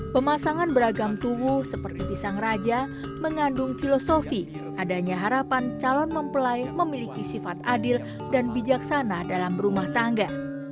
pemasangan beragam tubuh seperti pisang raja mengandung filosofi adanya harapan calon mempelai memiliki sifat adil dan bijaksana dalam berumah tangga